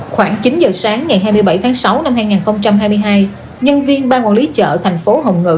khoảng chín giờ sáng ngày hai mươi bảy tháng sáu năm hai nghìn hai mươi hai nhân viên ban quản lý chợ thành phố hồng ngự